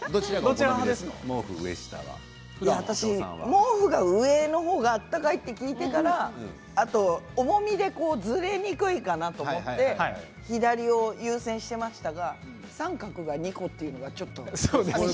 毛布が上の方が温かいと聞いてから重みでズレにくいかなと思って左を優先していましたが三角の２個というのが、ちょっと。